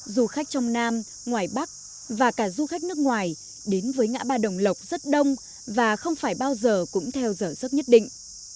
du khách trong nam ngoài bắc và cả du khách nước ngoài đến với ngã ba đồng lộc rất đông và không phải bao giờ cũng theo giờ sức nhất định